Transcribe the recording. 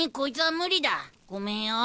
ごめんよ。